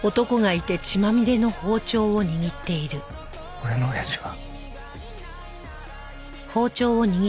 俺の親父は。